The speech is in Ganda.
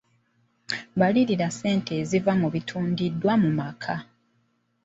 Balirira ssente eziva mu bitundiddwa mu mwaka.